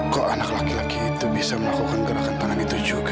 kok anak laki laki itu bisa melakukan gerakan tangan itu juga